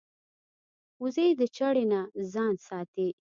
وزې د چړې نه ځان ساتي